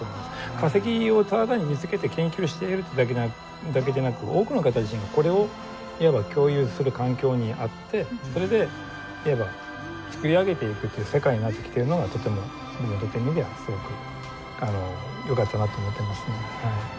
化石をただ単に見つけて研究しているというだけでなく多くの方自身がこれをいわば共有する環境にあってそれでいわば作り上げていくっていう世界になってきているのがとても僕にとってみればすごくよかったなと思ってますね。